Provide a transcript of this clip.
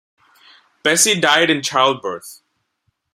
Bessie died in childbirth.